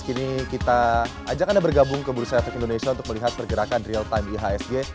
kini kita ajak anda bergabung ke bursa efek indonesia untuk melihat pergerakan real time ihsg